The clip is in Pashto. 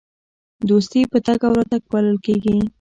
دوستي په تګ او راتګ پالل کیږي.